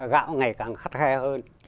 gạo ngày càng khắt khe hơn